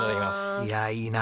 いやあいいな。